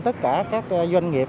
tất cả các doanh nghiệp